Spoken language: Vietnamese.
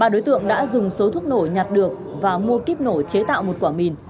ba đối tượng đã dùng số thuốc nổ nhạt được và mua kíp nổ chế tạo một quả mìn